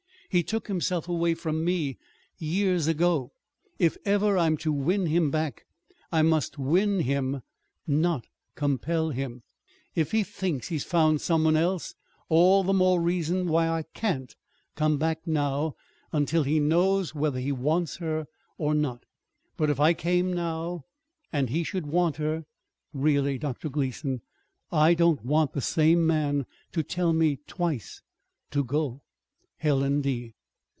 He took himself away from me years ago. If ever I'm to win him back, I must win him not compel him. If he thinks he's found some one else all the more reason why I can't come back now, until he knows whether he wants her or not. But if I came now, and he should want her Really, Dr. Gleason, I don't want the same man to tell me twice to go. HELEN D.